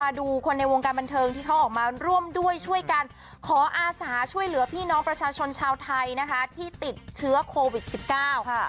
ดูคนในวงการบันเทิงที่เขาออกมาร่วมด้วยช่วยกันขออาสาช่วยเหลือพี่น้องประชาชนชาวไทยนะคะที่ติดเชื้อโควิดสิบเก้าค่ะ